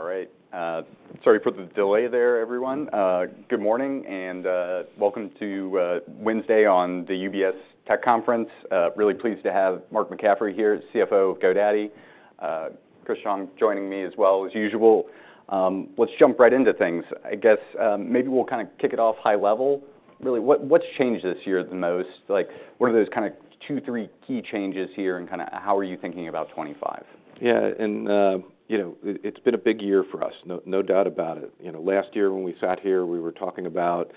All right. Sorry for the delay there, everyone. Good morning and welcome to Wednesday on the UBS Tech Conference. Really pleased to have Mark McCaffrey here, CFO of GoDaddy. Chris Zhang joining me as well as usual. Let's jump right into things. I guess maybe we'll kind of kick it off high level. Really, what's changed this year the most? What are those kind of two, three key changes here and kind of how are you thinking about 2025? Yeah, and you know it's been a big year for us, no doubt about it. Last year when we sat here, we were talking about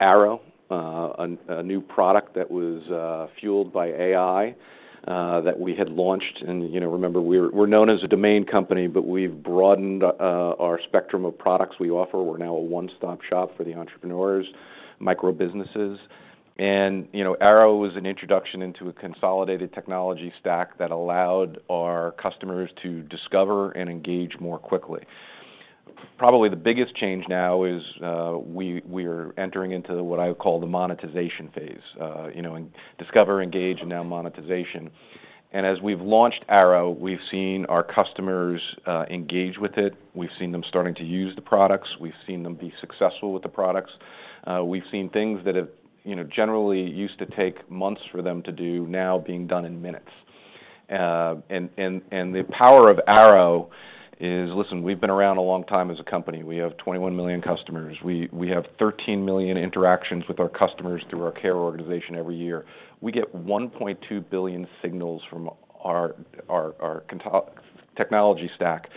Airo, a new product that was fueled by AI that we had launched. And remember, we're known as a domain company, but we've broadened our spectrum of products we offer. We're now a one-stop shop for the entrepreneurs, micro businesses. And Airo was an introduction into a consolidated technology stack that allowed our customers to discover and engage more quickly. Probably the biggest change now is we are entering into what I call the monetization phase, discover, engage, and now monetization. And as we've launched Airo, we've seen our customers engage with it. We've seen them starting to use the products. We've seen them be successful with the products. We've seen things that generally used to take months for them to do now being done in minutes. And the power of Airo is, listen, we've been around a long time as a company. We have 21 million customers. We have 13 million interactions with our customers through our care organization every year. We get 1.2 billion signals from our technology stack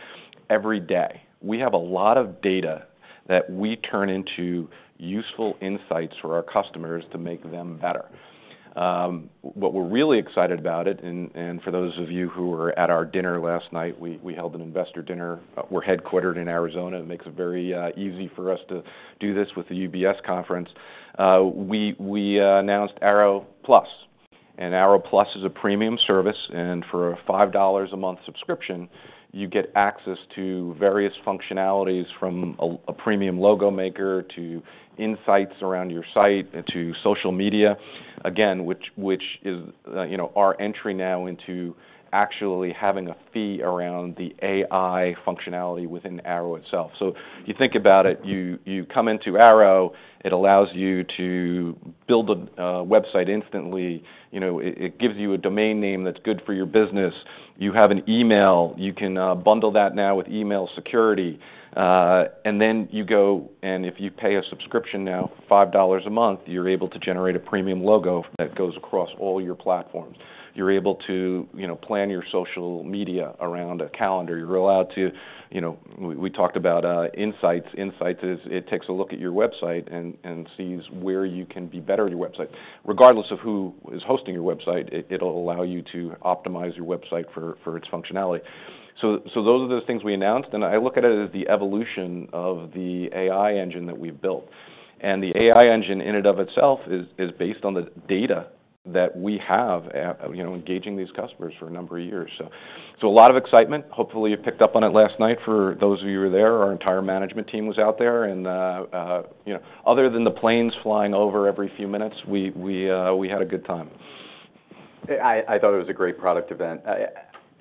every day. We have a lot of data that we turn into useful insights for our customers to make them better. What we're really excited about it, and for those of you who were at our dinner last night, we held an investor dinner. We're headquartered in Arizona. It makes it very easy for us to do this with the UBS Conference. We announced Airo Plus. And Airo Plus is a premium service. And for a $5 a month subscription, you get access to various functionalities from a premium logo maker to insights around your site and to social media, again, which is our entry now into actually having a fee around the AI functionality within Airo itself. So you think about it, you come into Airo, it allows you to build a website instantly. It gives you a domain name that's good for your business. You have an email. You can bundle that now with email security. And then you go, and if you pay a subscription now for $5 a month, you're able to generate a premium logo that goes across all your platforms. You're able to plan your social media around a calendar. You're allowed to, we talked about insights. Insights is it takes a look at your website and sees where you can be better at your website. Regardless of who is hosting your website, it'll allow you to optimize your website for its functionality, so those are the things we announced, and I look at it as the evolution of the AI engine that we've built, and the AI engine in and of itself is based on the data that we have engaging these customers for a number of years, so a lot of excitement. Hopefully, you picked up on it last night. For those of you who were there, our entire management team was out there, and other than the planes flying over every few minutes, we had a good time. I thought it was a great product event.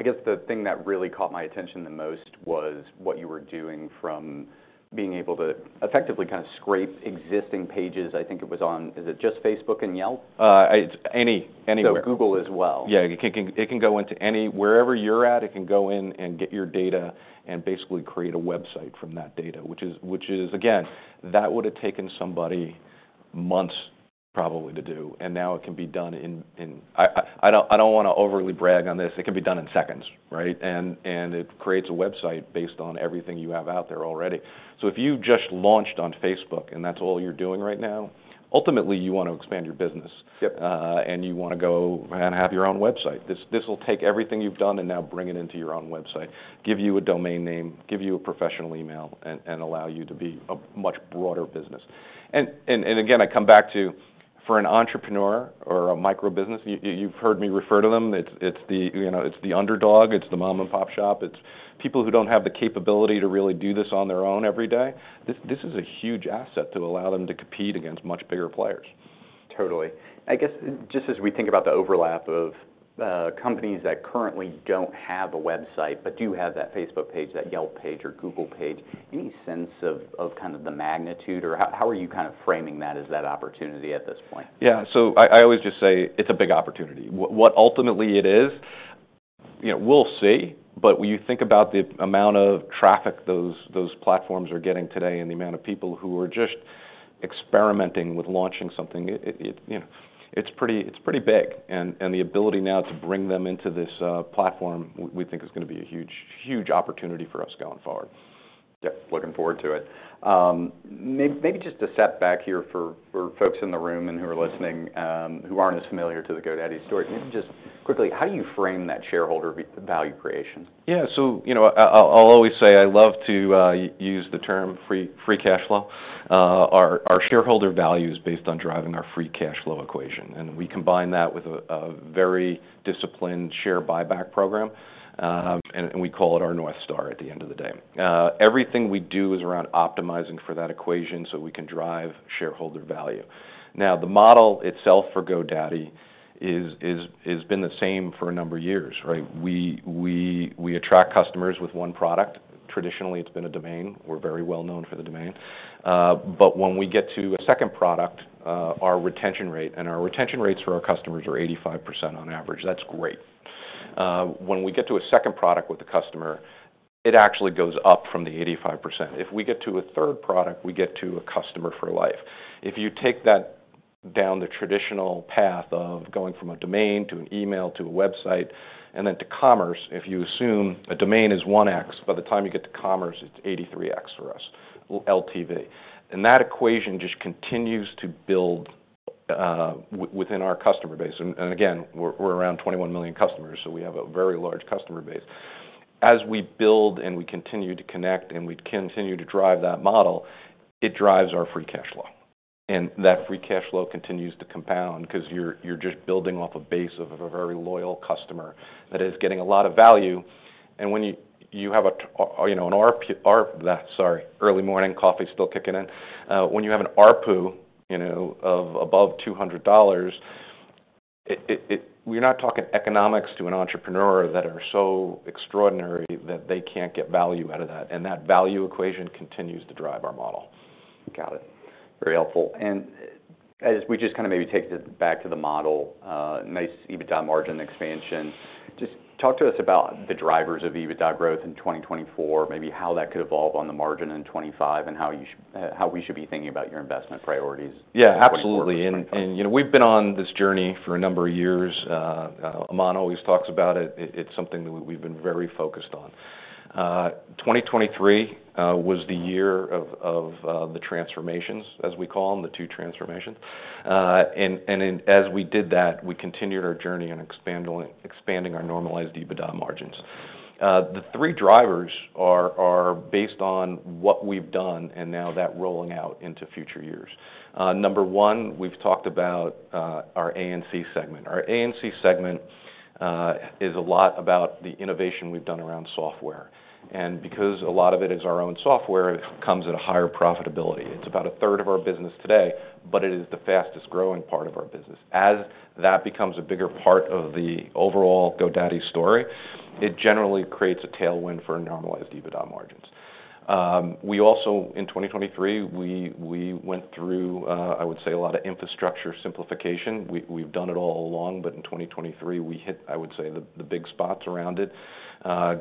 I guess the thing that really caught my attention the most was what you were doing from being able to effectively kind of scrape existing pages. I think it was on, is it just Facebook and Yelp? Anywhere. So Google as well. Yeah, it can go into any, wherever you're at, it can go in and get your data and basically create a website from that data, which is, again, that would have taken somebody months probably to do, and now it can be done in, I don't want to overly brag on this, it can be done in seconds, right, and it creates a website based on everything you have out there already, so if you just launched on Facebook and that's all you're doing right now, ultimately you want to expand your business, and you want to go and have your own website. This will take everything you've done and now bring it into your own website, give you a domain name, give you a professional email, and allow you to be a much broader business. Again, I come back to, for an entrepreneur or a micro business, you've heard me refer to them, it's the underdog, it's the mom-and-pop shop, it's people who don't have the capability to really do this on their own every day. This is a huge asset to allow them to compete against much bigger players. Totally. I guess just as we think about the overlap of companies that currently don't have a website, but do have that Facebook page, that Yelp page or Google page, any sense of kind of the magnitude or how are you kind of framing that as that opportunity at this point? Yeah, so I always just say it's a big opportunity. What ultimately it is, we'll see. But when you think about the amount of traffic those platforms are getting today and the amount of people who are just experimenting with launching something, it's pretty big. And the ability now to bring them into this platform, we think is going to be a huge, huge opportunity for us going forward. Yeah, looking forward to it. Maybe just a setback here for folks in the room and who are listening who aren't as familiar to the GoDaddy story. Maybe just quickly, how do you frame that shareholder value creation? Yeah, so I'll always say I love to use the term free cash flow. Our shareholder value is based on driving our free cash flow equation. And we combine that with a very disciplined share buyback program. And we call it our North Star at the end of the day. Everything we do is around optimizing for that equation so we can drive shareholder value. Now, the model itself for GoDaddy has been the same for a number of years. We attract customers with one product. Traditionally, it's been a domain. We're very well known for the domain. But when we get to a second product, our retention rate and our retention rates for our customers are 85% on average. That's great. When we get to a second product with a customer, it actually goes up from the 85%. If we get to a third product, we get to a customer for life. If you take that down the traditional path of going from a domain to an email to a website and then to commerce, if you assume a domain is 1X, by the time you get to commerce, it's 83X for us, LTV. And that equation just continues to build within our customer base. And again, we're around 21 million customers, so we have a very large customer base. As we build and we continue to connect and we continue to drive that model, it drives our free cash flow. And that free cash flow continues to compound because you're just building off a base of a very loyal customer that is getting a lot of value. When you have an ARPU, sorry, early morning coffee still kicking in, when you have an ARPU of above $200, we're not talking economics to an entrepreneur that are so extraordinary that they can't get value out of that. That value equation continues to drive our model. Got it. Very helpful. And as we just kind of maybe take it back to the model, nice EBITDA margin expansion. Just talk to us about the drivers of EBITDA growth in 2024, maybe how that could evolve on the margin in 2025 and how we should be thinking about your investment priorities. Yeah, absolutely. And we've been on this journey for a number of years. Aman always talks about it. It's something that we've been very focused on. 2023 was the year of the transformations, as we call them, the two transformations. And as we did that, we continued our journey and expanding our normalized EBITDA margins. The three drivers are based on what we've done and now that rolling out into future years. Number one, we've talked about our A&C segment. Our A&C segment is a lot about the innovation we've done around software. And because a lot of it is our own software, it comes at a higher profitability. It's about a third of our business today, but it is the fastest growing part of our business. As that becomes a bigger part of the overall GoDaddy story, it generally creates a tailwind for normalized EBITDA margins. We also, in 2023, we went through, I would say, a lot of infrastructure simplification. We've done it all along, but in 2023, we hit, I would say, the big spots around it,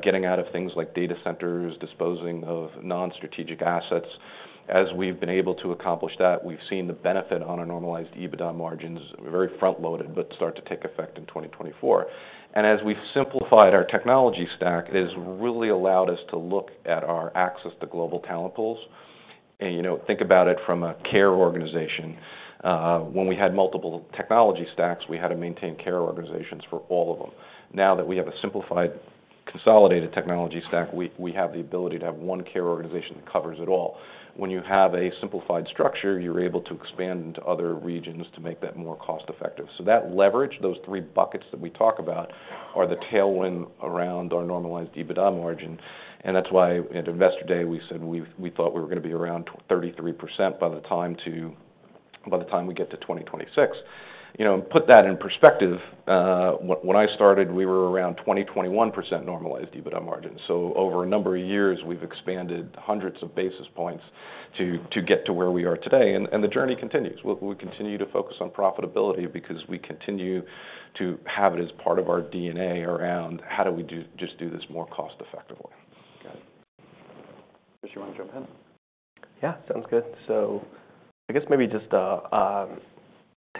getting out of things like data centers, disposing of non-strategic assets. As we've been able to accomplish that, we've seen the benefit on our Normalized EBITDA margins very front-loaded, but start to take effect in 2024, and as we've simplified our technology stack, it has really allowed us to look at our access to global talent pools. Think about it from a care organization. When we had multiple technology stacks, we had to maintain care organizations for all of them. Now that we have a simplified, consolidated technology stack, we have the ability to have one care organization that covers it all. When you have a simplified structure, you're able to expand into other regions to make that more cost-effective. That leverage, those three buckets that we talk about are the tailwind around our Normalized EBITDA margin. That's why at Investor Day, we said we thought we were going to be around 33% by the time we get to 2026. Put that in perspective. When I started, we were around 20%-21% Normalized EBITDA margin. Over a number of years, we've expanded hundreds of basis points to get to where we are today. The journey continues. We continue to focus on profitability because we continue to have it as part of our DNA around how do we just do this more cost-effectively. Got it. Chris, you want to jump in? Yeah, sounds good. So I guess maybe just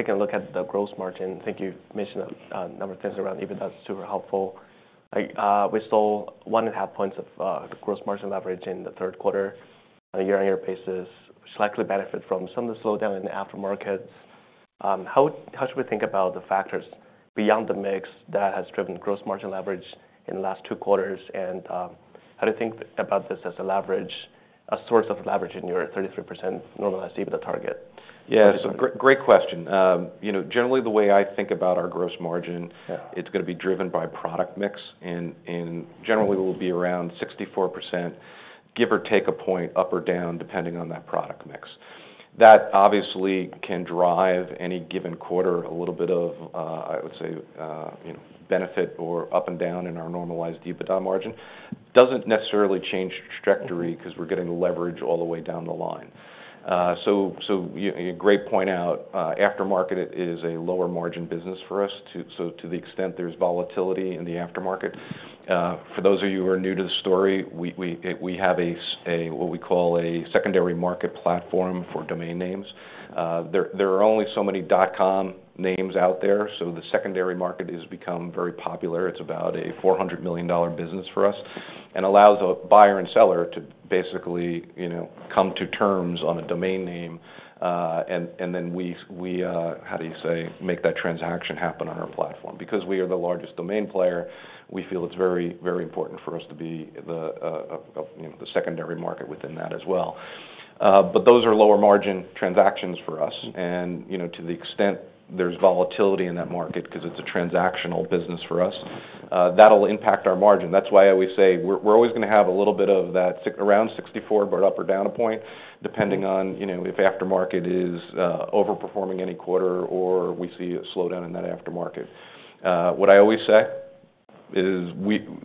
taking a look at the gross margin, I think you mentioned a number of things around EBITDA is super helpful. We saw one and a half points of gross margin leverage in the third quarter on a year-on-year basis, which likely benefited from some of the slowdown in the aftermarkets. How should we think about the factors beyond the mix that has driven gross margin leverage in the last two quarters? And how do you think about this as a leverage, a source of leverage in your 33% normalized EBITDA target? Yeah, it's a great question. Generally, the way I think about our gross margin, it's going to be driven by product mix. And generally, we'll be around 64%, give or take a point, up or down, depending on that product mix. That obviously can drive any given quarter a little bit of, I would say, benefit or up and down in our normalized EBITDA margin. Doesn't necessarily change trajectory because we're getting leverage all the way down the line. So a great point out, aftermarket is a lower margin business for us. So to the extent there's volatility in the aftermarket, for those of you who are new to the story, we have what we call a secondary market platform for domain names. There are only so many dot-com names out there. So the secondary market has become very popular. It's about a $400 million business for us and allows a buyer and seller to basically come to terms on a domain name. And then we, how do you say, make that transaction happen on our platform. Because we are the largest domain player, we feel it's very, very important for us to be the secondary market within that as well. But those are lower margin transactions for us. And to the extent there's volatility in that market because it's a transactional business for us, that'll impact our margin. That's why I always say we're always going to have a little bit of that around 64, but up or down a point, depending on if Aftermarket is overperforming any quarter or we see a slowdown in that Aftermarket. What I always say is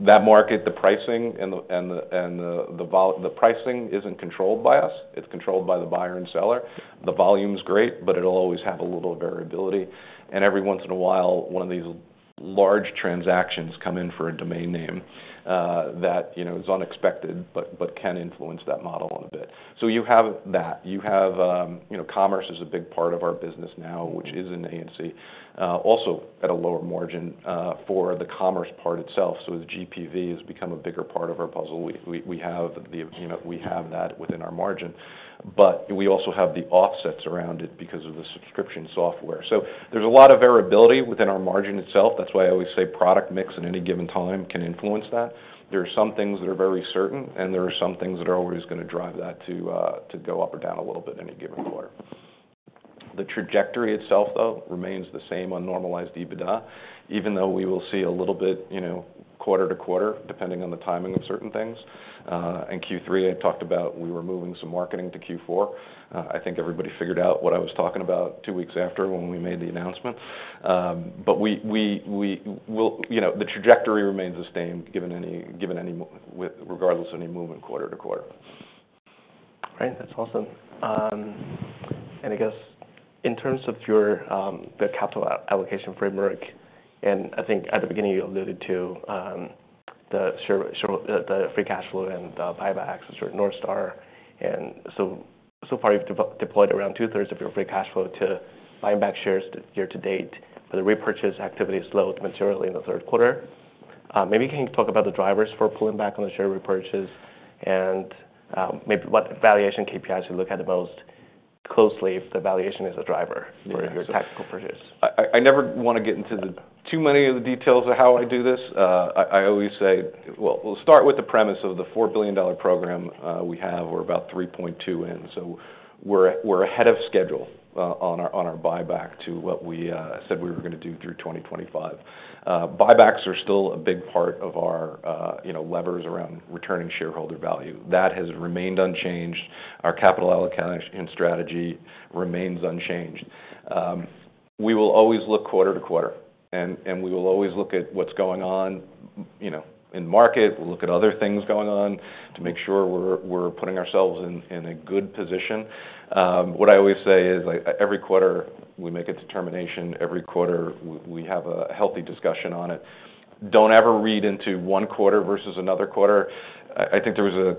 that market, the pricing and the pricing isn't controlled by us. It's controlled by the buyer and seller. The volume is great, but it'll always have a little variability. And every once in a while, one of these large transactions come in for a domain name that is unexpected, but can influence that model a bit. So you have that. You have commerce is a big part of our business now, which is an A&C, also at a lower margin for the commerce part itself. So the GPV has become a bigger part of our puzzle. We have that within our margin. But we also have the offsets around it because of the subscription software. So there's a lot of variability within our margin itself. That's why I always say product mix at any given time can influence that. There are some things that are very certain, and there are some things that are always going to drive that to go up or down a little bit in any given quarter. The trajectory itself, though, remains the same on normalized EBITDA, even though we will see a little bit quarter to quarter, depending on the timing of certain things. And Q3, I talked about we were moving some marketing to Q4. I think everybody figured out what I was talking about two weeks after when we made the announcement. But the trajectory remains the same given regardless of any movement quarter to quarter. All right, that's awesome. And I guess in terms of your capital allocation framework, and I think at the beginning you alluded to the free cash flow and buybacks for North Star. And so far you've deployed around two-thirds of your free cash flow to buying back shares year to date, but the repurchase activity is slowed materially in the third quarter. Maybe you can talk about the drivers for pulling back on the share repurchase and maybe what valuation KPIs you look at the most closely if the valuation is a driver for your tactical purchase. I never want to get into too many of the details of how I do this. I always say, well, we'll start with the premise of the $4 billion program we have. We're about $3.2 billion in. So we're ahead of schedule on our buyback to what we said we were going to do through 2025. Buybacks are still a big part of our levers around returning shareholder value. That has remained unchanged. Our capital allocation strategy remains unchanged. We will always look quarter to quarter, and we will always look at what's going on in the market. We'll look at other things going on to make sure we're putting ourselves in a good position. What I always say is every quarter we make a determination. Every quarter we have a healthy discussion on it. Don't ever read into one quarter versus another quarter. I think there was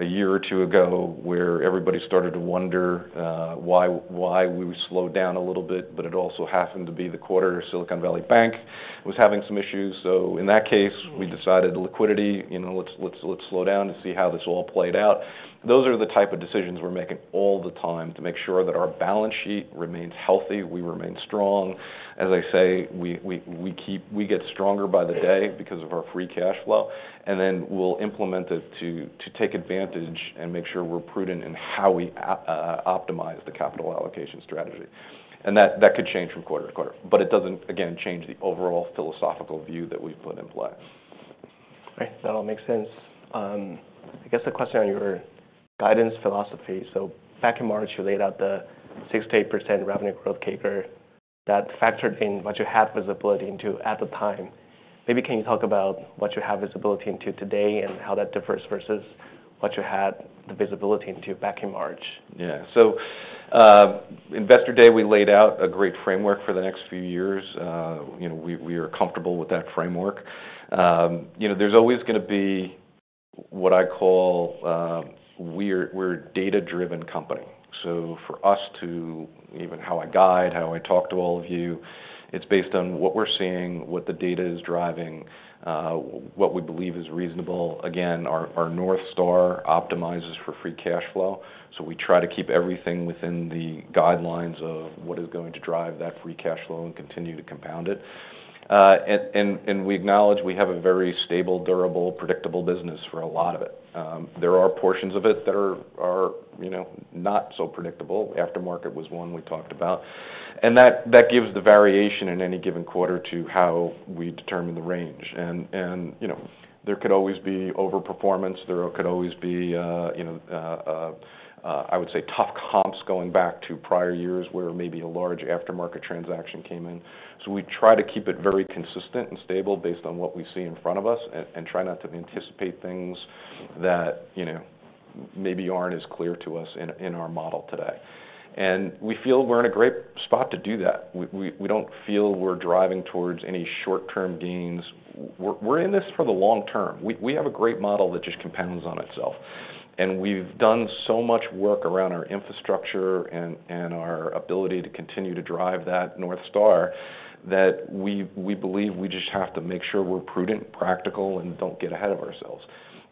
a year or two ago where everybody started to wonder why we slowed down a little bit, but it also happened to be the quarter Silicon Valley Bank was having some issues, so in that case, we decided liquidity, let's slow down to see how this all played out. Those are the type of decisions we're making all the time to make sure that our balance sheet remains healthy. We remain strong. As I say, we get stronger by the day because of our free cash flow, and then we'll implement it to take advantage and make sure we're prudent in how we optimize the capital allocation strategy, and that could change from quarter to quarter, but it doesn't, again, change the overall philosophical view that we've put in play. All right, that all makes sense. I guess a question on your guidance philosophy. So back in March, you laid out the 68% revenue growth kicker that factored in what you had visibility into at the time. Maybe can you talk about what you have visibility into today and how that differs versus what you had the visibility into back in March? Yeah. So Investor Day, we laid out a great framework for the next few years. We are comfortable with that framework. There's always going to be what I call. We're a data-driven company. So for us to even how I guide, how I talk to all of you, it's based on what we're seeing, what the data is driving, what we believe is reasonable. Again, our North Star optimizes for free cash flow, so we try to keep everything within the guidelines of what is going to drive that free cash flow and continue to compound it, and we acknowledge we have a very stable, durable, predictable business for a lot of it. There are portions of it that are not so predictable. Aftermarket was one we talked about, and that gives the variation in any given quarter to how we determine the range, and there could always be overperformance. There could always be, I would say, tough comps going back to prior years where maybe a large aftermarket transaction came in. So we try to keep it very consistent and stable based on what we see in front of us and try not to anticipate things that maybe aren't as clear to us in our model today. And we feel we're in a great spot to do that. We don't feel we're driving towards any short-term gains. We're in this for the long term. We have a great model that just compounds on itself. And we've done so much work around our infrastructure and our ability to continue to drive that North Star that we believe we just have to make sure we're prudent, practical, and don't get ahead of ourselves.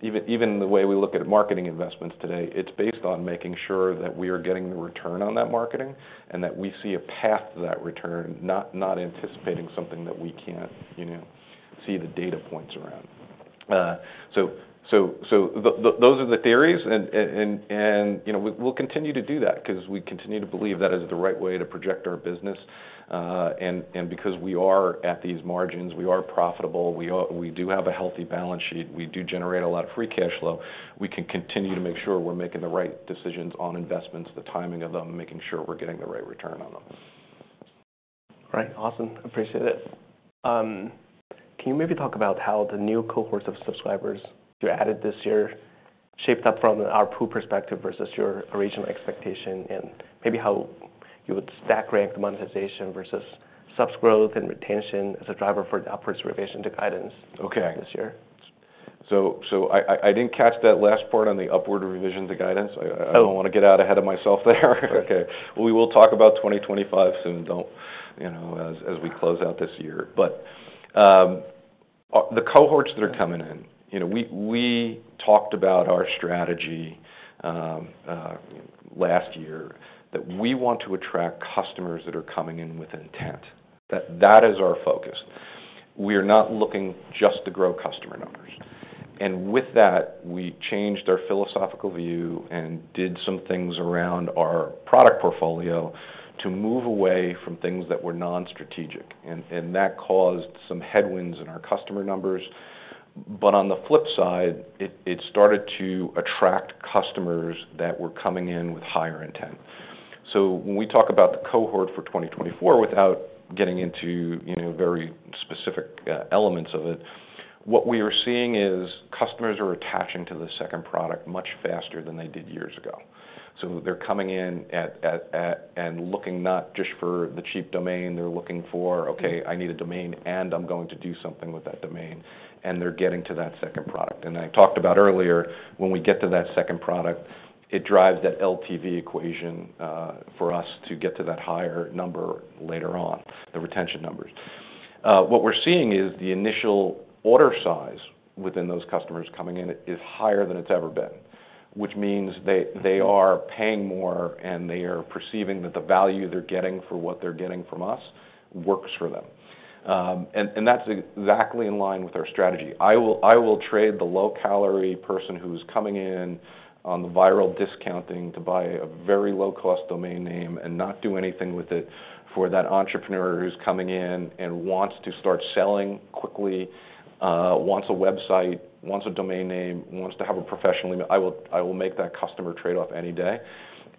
Even the way we look at marketing investments today, it's based on making sure that we are getting the return on that marketing and that we see a path to that return, not anticipating something that we can't see the data points around. So those are the theories. And we'll continue to do that because we continue to believe that is the right way to project our business. And because we are at these margins, we are profitable. We do have a healthy balance sheet. We do generate a lot of free cash flow. We can continue to make sure we're making the right decisions on investments, the timing of them, making sure we're getting the right return on them. All right, awesome. Appreciate it. Can you maybe talk about how the new cohorts of subscribers you added this year shaped up from our pool perspective versus your original expectation and maybe how you would stack rank the monetization versus subs growth and retention as a driver for the upwards revision to guidance this year? Okay. So I didn't catch that last part on the upward revision to guidance. I don't want to get out ahead of myself there. Okay. Well, we will talk about 2025 soon as we close out this year. But the cohorts that are coming in, we talked about our strategy last year that we want to attract customers that are coming in with intent. That is our focus. We are not looking just to grow customer numbers. And with that, we changed our philosophical view and did some things around our product portfolio to move away from things that were non-strategic. And that caused some headwinds in our customer numbers. But on the flip side, it started to attract customers that were coming in with higher intent. So when we talk about the cohort for 2024 without getting into very specific elements of it, what we are seeing is customers are attaching to the second product much faster than they did years ago. So they're coming in and looking not just for the cheap domain. They're looking for, okay, I need a domain and I'm going to do something with that domain. And they're getting to that second product. And I talked about earlier, when we get to that second product, it drives that LTV equation for us to get to that higher number later on, the retention numbers. What we're seeing is the initial order size within those customers coming in is higher than it's ever been, which means they are paying more and they are perceiving that the value they're getting for what they're getting from us works for them. And that's exactly in line with our strategy. I will trade the low-calorie person who is coming in on the viral discounting to buy a very low-cost domain name and not do anything with it for that entrepreneur who's coming in and wants to start selling quickly, wants a website, wants a domain name, wants to have a professional. I will make that customer trade-off any day.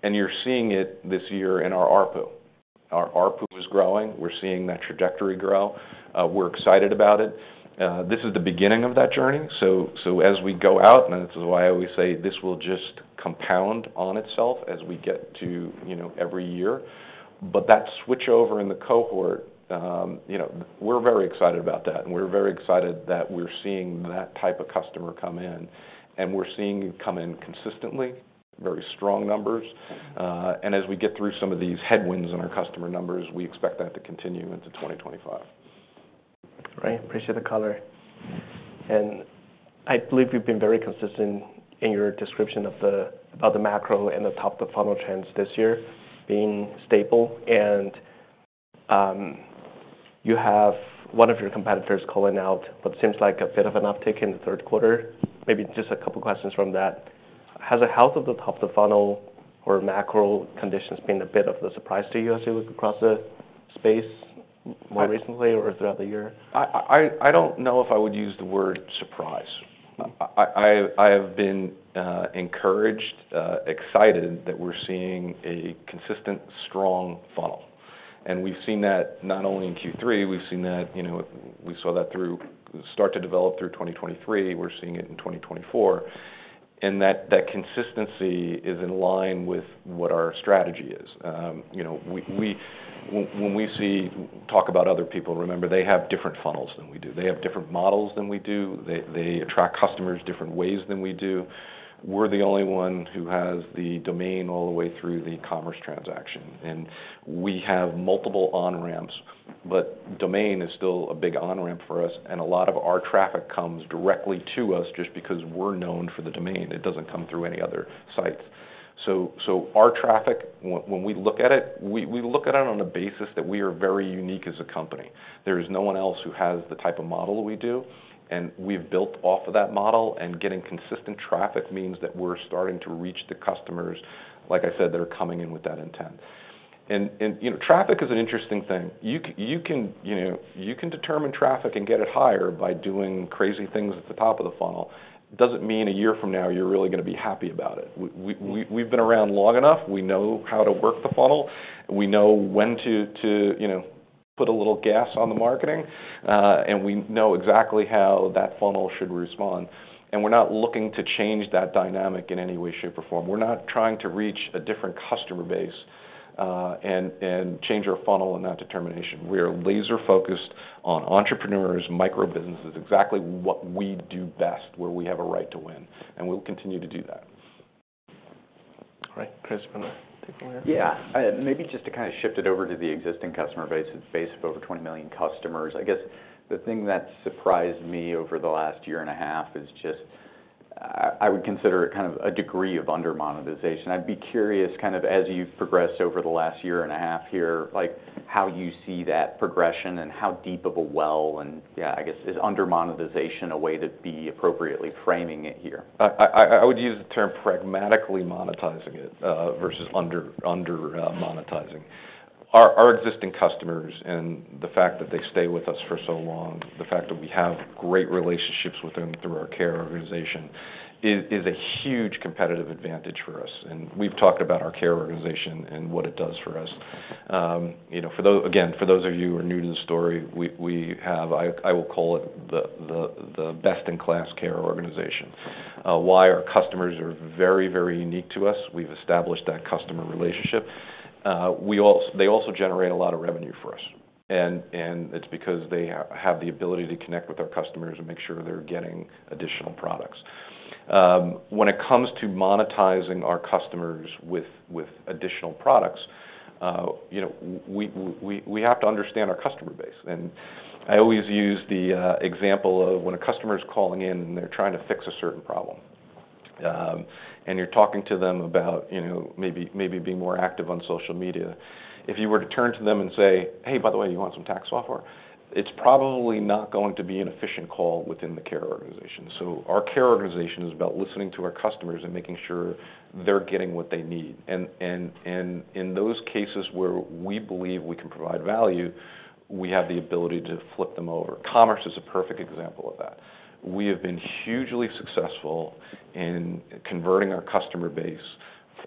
And you're seeing it this year in our ARPU. Our ARPU is growing. We're seeing that trajectory grow. We're excited about it. This is the beginning of that journey. So as we go out, and this is why I always say this will just compound on itself as we get to every year. But that switch over in the cohort, we're very excited about that. And we're very excited that we're seeing that type of customer come in. We're seeing it come in consistently, very strong numbers. As we get through some of these headwinds in our customer numbers, we expect that to continue into 2025. All right, appreciate the color. And I believe you've been very consistent in your description of the macro and the top-of-the-funnel trends this year being stable. And you have one of your competitors calling out what seems like a bit of an uptick in the third quarter. Maybe just a couple of questions from that. Has the health of the top-of-the-funnel or macro conditions been a bit of a surprise to you as you look across the space more recently or throughout the year? I don't know if I would use the word surprise. I have been encouraged, excited that we're seeing a consistent, strong funnel, and we've seen that not only in Q3. We've seen that. We saw that start to develop through 2023. We're seeing it in 2024, and that consistency is in line with what our strategy is. When we talk about other people, remember they have different funnels than we do. They have different models than we do. They attract customers different ways than we do. We're the only one who has the domain all the way through the commerce transaction, and we have multiple on-ramps, but domain is still a big on-ramp for us, and a lot of our traffic comes directly to us just because we're known for the domain. It doesn't come through any other sites. Our traffic, when we look at it, we look at it on a basis that we are very unique as a company. There is no one else who has the type of model we do. We've built off of that model. Getting consistent traffic means that we're starting to reach the customers, like I said, that are coming in with that intent. Traffic is an interesting thing. You can determine traffic and get it higher by doing crazy things at the top of the funnel. It doesn't mean a year from now you're really going to be happy about it. We've been around long enough. We know how to work the funnel. We know when to put a little gas on the marketing. We know exactly how that funnel should respond. We're not looking to change that dynamic in any way, shape, or form. We're not trying to reach a different customer base and change our funnel in that determination. We are laser-focused on entrepreneurs, micro-businesses, exactly what we do best where we have a right to win. And we'll continue to do that. All right, Chris, want to take one more? Yeah. Maybe just to kind of shift it over to the existing customer base, it's based off over 20 million customers. I guess the thing that surprised me over the last year and a half is just I would consider it kind of a degree of under-monetization. I'd be curious kind of as you've progressed over the last year and a half here, how you see that progression and how deep of a well. And yeah, I guess is under-monetization a way to be appropriately framing it here? I would use the term pragmatically monetizing it versus under-monetizing. Our existing customers and the fact that they stay with us for so long, the fact that we have great relationships with them through our care organization is a huge competitive advantage for us. And we've talked about our care organization and what it does for us. Again, for those of you who are new to the story, we have, I will call it the best-in-class care organization. Why? Our customers are very, very unique to us. We've established that customer relationship. They also generate a lot of revenue for us. And it's because they have the ability to connect with our customers and make sure they're getting additional products. When it comes to monetizing our customers with additional products, we have to understand our customer base. I always use the example of when a customer is calling in and they're trying to fix a certain problem, you're talking to them about maybe being more active on social media. If you were to turn to them and say, "Hey, by the way, you want some tax software?" It's probably not going to be an efficient call within the care organization, our care organization is about listening to our customers and making sure they're getting what they need, in those cases where we believe we can provide value, we have the ability to flip them over. Commerce is a perfect example of that. We have been hugely successful in converting our customer base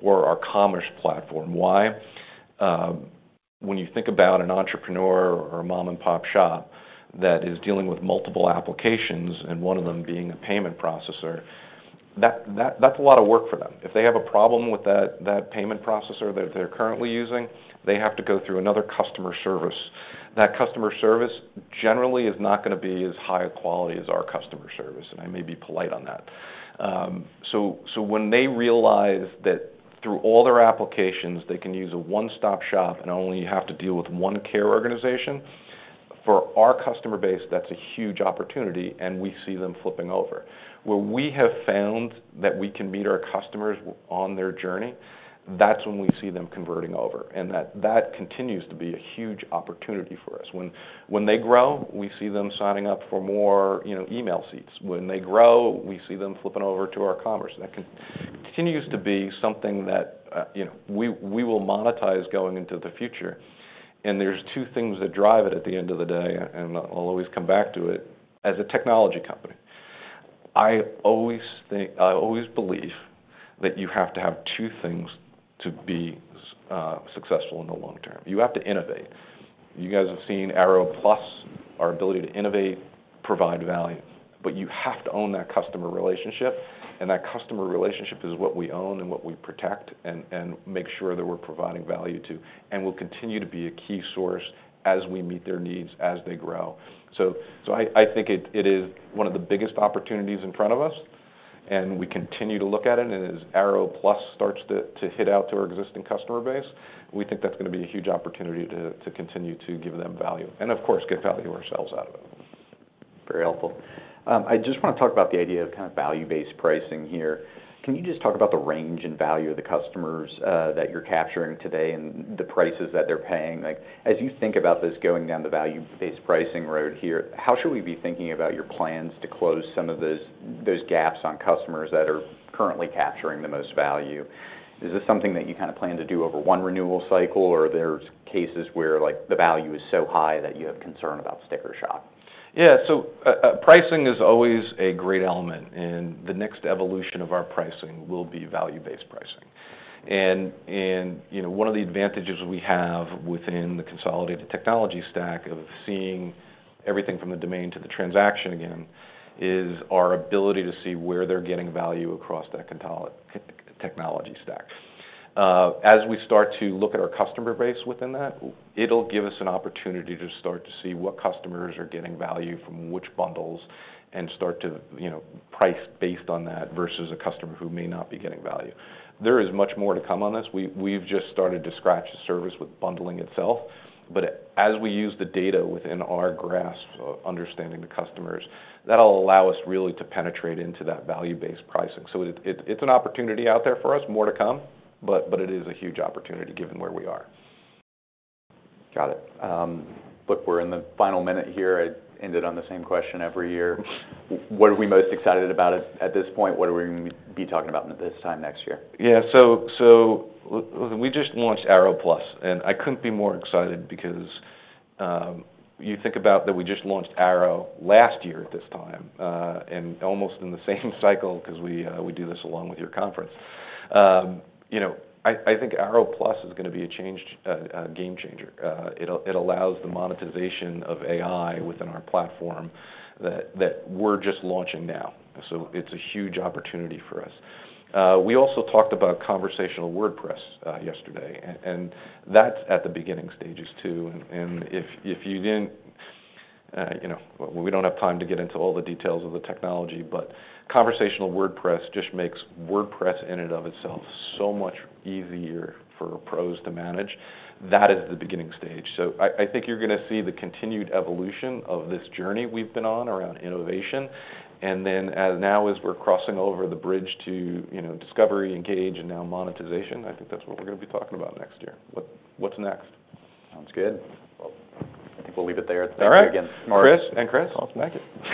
for our commerce platform. Why? When you think about an entrepreneur or a mom-and-pop shop that is dealing with multiple applications and one of them being a payment processor, that's a lot of work for them. If they have a problem with that payment processor that they're currently using, they have to go through another customer service. That customer service generally is not going to be as high a quality as our customer service. And I may be polite on that. So when they realize that through all their applications, they can use a one-stop shop and only have to deal with one care organization, for our customer base, that's a huge opportunity. And we see them flipping over. Where we have found that we can meet our customers on their journey, that's when we see them converting over. And that continues to be a huge opportunity for us. When they grow, we see them signing up for more email seats. When they grow, we see them flipping over to our commerce. That continues to be something that we will monetize going into the future, and there's two things that drive it at the end of the day, and I'll always come back to it. As a technology company, I always believe that you have to have two things to be successful in the long term. You have to innovate. You guys have seen Airo Plus, our ability to innovate, provide value, but you have to own that customer relationship, and that customer relationship is what we own and what we protect and make sure that we're providing value to, and we'll continue to be a key source as we meet their needs as they grow. So I think it is one of the biggest opportunities in front of us. And we continue to look at it. And as Airo Plus starts to hit out to our existing customer base, we think that's going to be a huge opportunity to continue to give them value. And of course, get value ourselves out of it. Very helpful. I just want to talk about the idea of kind of value-based pricing here. Can you just talk about the range and value of the customers that you're capturing today and the prices that they're paying? As you think about this going down the value-based pricing road here, how should we be thinking about your plans to close some of those gaps on customers that are currently capturing the most value? Is this something that you kind of plan to do over one renewal cycle? Or are there cases where the value is so high that you have concern about sticker shock? Yeah, so pricing is always a great element, and the next evolution of our pricing will be value-based pricing, and one of the advantages we have within the consolidated technology stack of seeing everything from the domain to the transaction again is our ability to see where they're getting value across that technology stack. As we start to look at our customer base within that, it'll give us an opportunity to start to see what customers are getting value from which bundles and start to price based on that versus a customer who may not be getting value. There is much more to come on this. We've just started to scratch the surface with bundling itself, but as we use the data within our grasp of understanding the customers, that'll allow us really to penetrate into that value-based pricing, so it's an opportunity out there for us, more to come. But it is a huge opportunity given where we are. Got it. Look, we're in the final minute here. I ended on the same question every year. What are we most excited about at this point? What are we going to be talking about this time next year? Yeah. So we just launched Airo Plus. And I couldn't be more excited because you think about that we just launched Airo last year at this time and almost in the same cycle because we do this along with your conference. I think Airo Plus is going to be a game changer. It allows the monetization of AI within our platform that we're just launching now. So it's a huge opportunity for us. We also talked about Conversational WordPress yesterday. And that's at the beginning stages too. And if you didn't we don't have time to get into all the details of the technology. But Conversational WordPress just makes WordPress in and of itself so much easier for pros to manage. That is the beginning stage. So I think you're going to see the continued evolution of this journey we've been on around innovation. And then now as we're crossing over the bridge to discovery, engage, and now monetization, I think that's what we're going to be talking about next year. What's next? Sounds good. I think we'll leave it there. Thanks again, Mark. All right. Chris and Chris. Thank you.